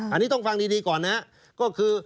อันนี้ต้องฟังดีก่อนนะครับก็คือ